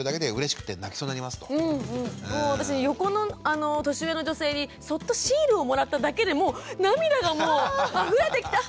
もう私横の年上の女性にそっとシールをもらっただけでもう涙がもうあふれてきて。